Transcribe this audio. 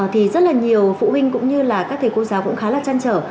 thì rất là nhiều phụ huynh cũng như là các thầy cô giáo cũng khá là chăn trở